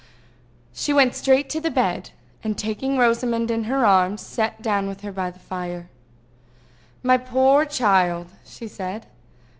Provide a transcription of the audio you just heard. XIII. She went straight to the bed, and taking Rosamond in her arms, sat down with her by the fire. "My poor child!" she said.